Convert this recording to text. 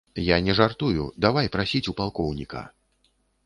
Я не жартую, давай прасіць у палкоўніка.